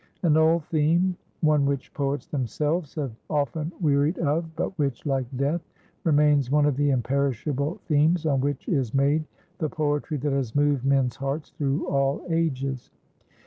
An old theme, one which poets themselves have often wearied of, but which, like death, remains one of the imperishable themes on which is made the poetry that has moved men's hearts through all ages.